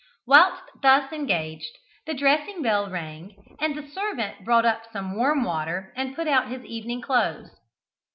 Whilst thus engaged, the dressing bell rang, and the servant brought up some warm water and put out his evening clothes.